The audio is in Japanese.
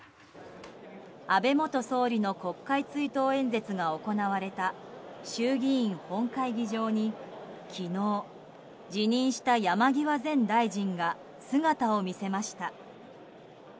安倍元総理の国会追悼演説が行われた衆議院本会議場に昨日辞任した山際前大臣が姿を見せました。